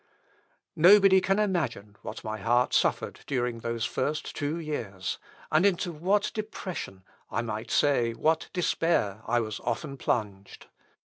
Nobody can imagine what my heart suffered during those two first years, and into what depression, I might say what despair, I was often plunged.